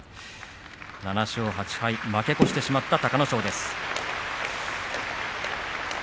７勝８敗負け越してしまった隆の勝です。